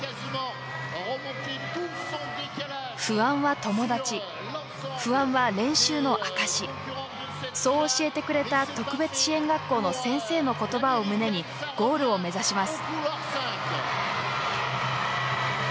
「不安は友達」「不安は練習の証し」そう教えてくれた特別支援学校の先生の言葉を胸にゴールを目指します。